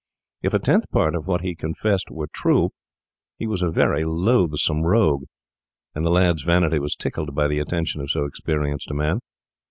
If a tenth part of what he confessed were true, he was a very loathsome rogue; and the lad's vanity was tickled by the attention of so experienced a man.